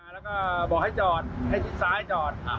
แล้วก็บอกให้จอดให้ชิดซ้ายจอด